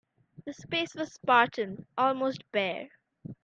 The space was spartan, almost bare.